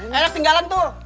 nggak enak tinggalan tuh